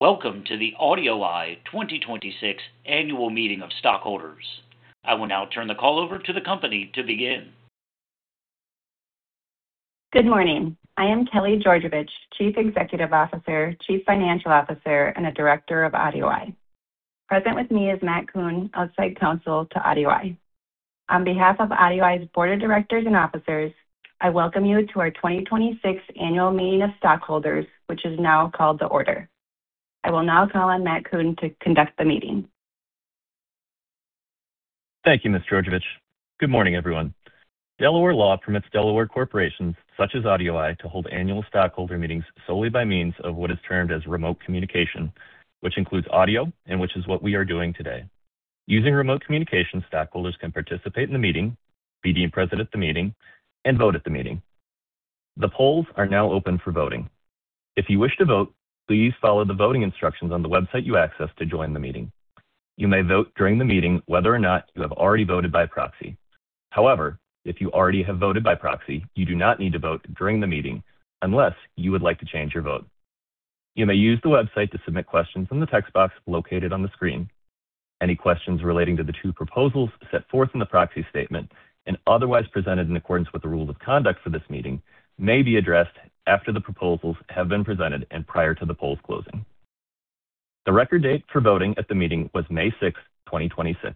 Welcome to the AudioEye 2026 Annual Meeting of Stockholders. I will now turn the call over to the company to begin. Good morning. I am Kelly Georgevich, Chief Executive Officer, Chief Financial Officer, and a Director of AudioEye. Present with me is Matt Kuhn, outside counsel to AudioEye. On behalf of AudioEye's board of directors and officers, I welcome you to our 2026 Annual Meeting of Stockholders, which is now called to order. I will now call on Matt Kuhn to conduct the meeting. Thank you, Ms. Georgevich. Good morning, everyone. Delaware law permits Delaware corporations, such as AudioEye, to hold annual stockholder meetings solely by means of what is termed as remote communication, which includes audio and which is what we are doing today. Using remote communication, stockholders can participate in the meeting, be deemed present at the meeting, and vote at the meeting. The polls are now open for voting. If you wish to vote, please follow the voting instructions on the website you accessed to join the meeting. You may vote during the meeting whether or not you have already voted by proxy. However, if you already have voted by proxy, you do not need to vote during the meeting unless you would like to change your vote. You may use the website to submit questions in the text box located on the screen. Any questions relating to the two proposals set forth in the proxy statement and otherwise presented in accordance with the rules of conduct for this meeting may be addressed after the proposals have been presented and prior to the polls closing. The record date for voting at the meeting was May 6th, 2026.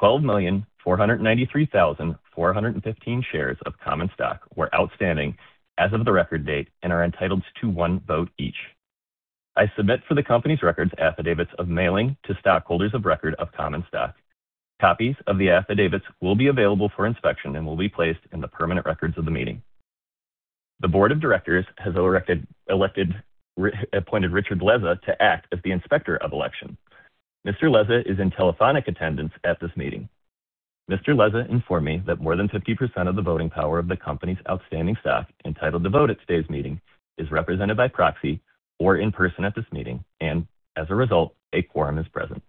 12,493,415 shares of common stock were outstanding as of the record date and are entitled to one vote each. I submit for the company's records affidavits of mailing to stockholders of record of common stock. Copies of the affidavits will be available for inspection and will be placed in the permanent records of the meeting. The board of directors has appointed Richard Leza to act as the Inspector of Election. Mr. Leza is in telephonic attendance at this meeting. Mr. Leza informed me that more than 50% of the voting power of the company's outstanding stock entitled to vote at today's meeting is represented by proxy or in person at this meeting. As a result, a quorum is present.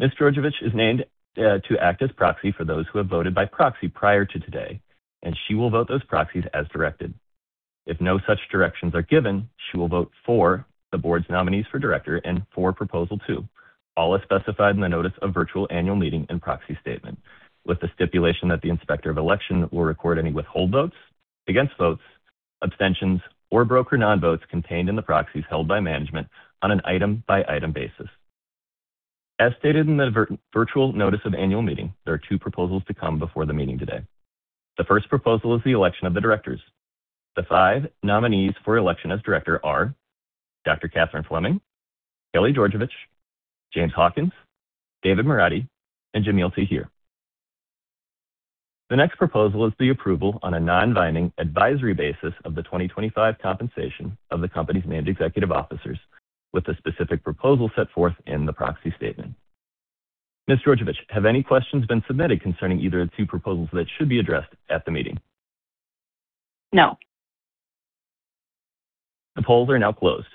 Ms. Georgevich is named to act as proxy for those who have voted by proxy prior to today. She will vote those proxies as directed. If no such directions are given, she will vote for the board's nominees for director and for Proposal 2, all as specified in the notice of virtual annual meeting and proxy statement, with the stipulation that the Inspector of Election will record any withhold votes, against votes, abstentions, or broker non-votes contained in the proxies held by management on an item-by-item basis. As stated in the virtual notice of annual meeting, there are two proposals to come before the meeting today. The first proposal is the election of the directors. The five nominees for election as director are Dr. Kathryn Fleming, Kelly Georgevich, James Hawkins, David Moradi, and Jamil Tahir. The next proposal is the approval on a non-binding advisory basis of the 2025 compensation of the company's named executive officers with the specific proposal set forth in the proxy statement. Ms. Georgevich, have any questions been submitted concerning either of the two proposals that should be addressed at the meeting? No. The polls are now closed.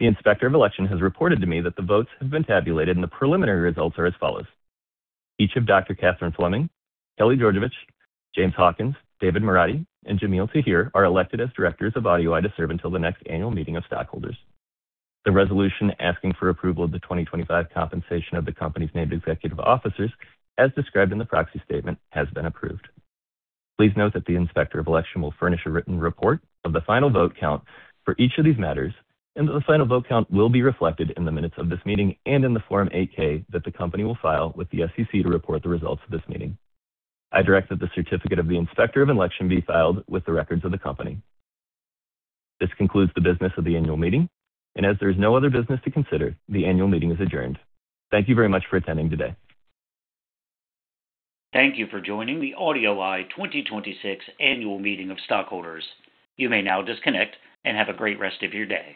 The Inspector of Election has reported to me that the votes have been tabulated. The preliminary results are as follows. Each of Dr. Kathryn Fleming, Kelly Georgevich, James Hawkins, David Moradi, and Jamil Tahir are elected as directors of AudioEye to serve until the next annual meeting of stockholders. The resolution asking for approval of the 2025 compensation of the company's named executive officers, as described in the proxy statement, has been approved. Please note that the Inspector of Election will furnish a written report of the final vote count for each of these matters. The final vote count will be reflected in the minutes of this meeting and in the Form 8-K that the company will file with the SEC to report the results of this meeting. I direct that the certificate of the Inspector of Election be filed with the records of the company. This concludes the business of the annual meeting. As there is no other business to consider, the annual meeting is adjourned. Thank you very much for attending today. Thank you for joining the AudioEye 2026 Annual Meeting of Stockholders. You may now disconnect, and have a great rest of your day.